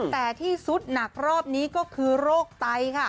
แต่ที่สุดหนักรอบนี้ก็คือโรคไตค่ะ